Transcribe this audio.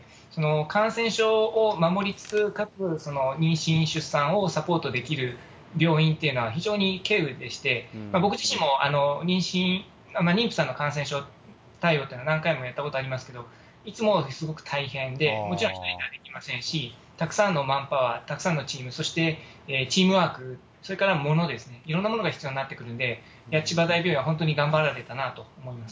感染症を守りつつ、かつ妊娠、出産をサポートできる病院っていうのは非常にけうでして、僕自身も妊娠、妊婦さんの感染症対応というのは何回もやったことありますけれども、いつもすごく大変で、もちろん１人ではできませんし、たくさんのマンパワー、たくさんのチーム、そしてチームワーク、それから物ですね、いろんなものが必要になってくるんで、千葉大病院は本当に頑張られたなと思います。